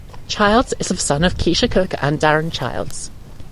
Childs is the son of Keisha Cook and Daron Childs.